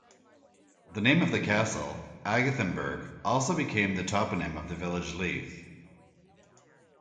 The name of the castle, Agathenburg, also became the toponym of the village Lieth.